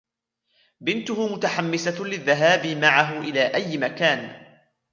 بنته متحمسة للذهاب معه إلى أي مكان.